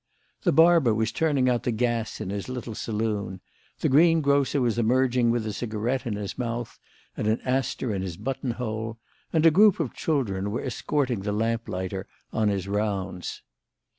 The barber was turning out the gas in his little saloon; the greengrocer was emerging with a cigarette in his mouth and an aster in his button hole, and a group of children were escorting the lamplighter on his rounds.